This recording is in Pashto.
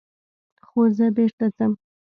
خو زه بېرته ځم.